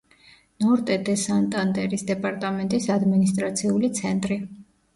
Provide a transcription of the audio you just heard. ნორტე-დე-სანტანდერის დეპარტამენტის ადმინისტრაციული ცენტრი.